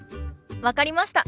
分かりました。